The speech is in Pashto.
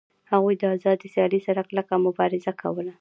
هغوی د آزادې سیالۍ سره کلکه مبارزه کوله